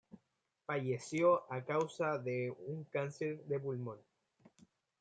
Falleció a causa de un cáncer de pulmón.